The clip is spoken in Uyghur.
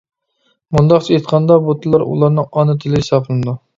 مۇنداقچە ئېيتقاندا بۇ تىللار ئۇلارنىڭ ئانا تىلى ھېسابلىنىدۇ.